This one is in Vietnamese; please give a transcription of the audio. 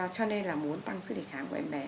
cho nên là muốn tăng sức đề kháng của em bé